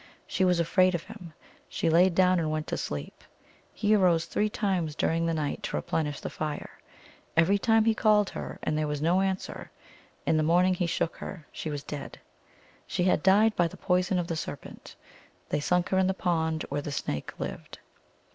She was afraid of him. She lay down, and went to sleep. He arose three times during the night to replenish the fire. Every time he called her, and there was no an swer. In the morning he shook her. She was dead. She had died by the poison of the serpent. They sunk her in the pond where the snake lived.